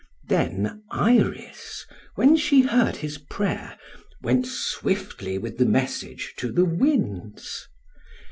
Then Iris, when she heard his prayer, went swiftly with the message to the Winds.